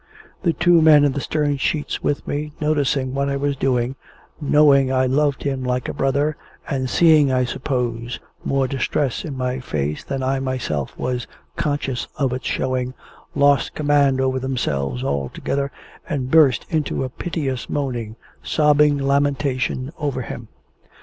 The two men in the stern sheets with me, noticing what I was doing knowing I loved him like a brother and seeing, I suppose, more distress in my face than I myself was conscious of its showing, lost command over themselves altogether, and burst into a piteous moaning, sobbing lamentation over him.